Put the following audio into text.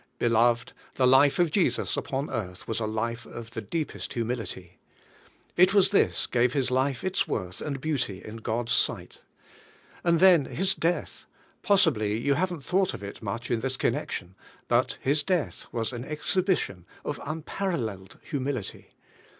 Beloved, the life of Jesus upon earth was a life of the deepest humility. It was this gave His life its worth and beauty in God's sight. And then His death — possibl}^ you haven't thought of it much in this connection — but His death was an exhibition of unparalleled humility.